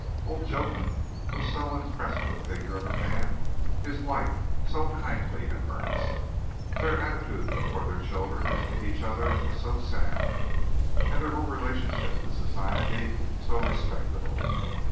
Old Jotham was so impressive a figure of a man; his wife so kindly and earnest. Their attitude toward their children and to each other was so sound, and their whole relationship to society so respectable.